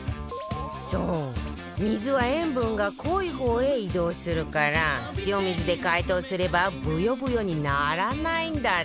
そう水は塩分が濃い方へ移動するから塩水で解凍すればブヨブヨにならないんだって